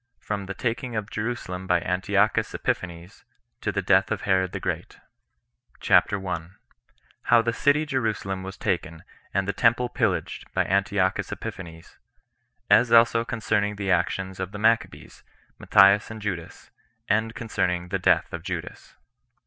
From The Taking Of Jerusalem By Antiochus Epiphanes, To The Death Of Herod The Great. CHAPTER 1. How The City Jerusalem Was Taken, And The Temple Pillaged [By Antiochus Epiphanes]. As Also Concerning The Actions Of The Maccabees, Matthias And Judas; And Concerning The Death Of Judas.